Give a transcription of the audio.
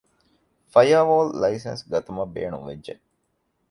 ފަޔަރވޯލް ލައިސަންސް ގަތުމަށް ބޭނުންވެއްޖެ